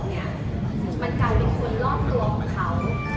การที่ควรจะล่อมรวบของเขา